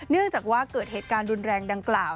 เนื่องจากว่าเกิดเหตุการณ์รุนแรงดังกล่าว